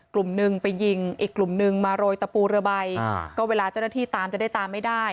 กลุ่มหนึ่งไปยิงอีกกลุ่มนึงมาโรยตะปูเรือใบก็เวลาเจ้าหน้าที่ตามจะได้ตามไม่ได้